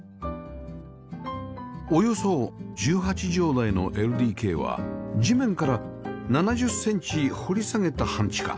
およそ１８畳大の ＬＤＫ は地面から７０センチ掘り下げた半地下